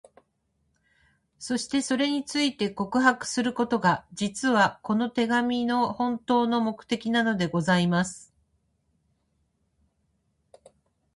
そして、それについて、告白することが、実は、この手紙の本当の目的なのでございます。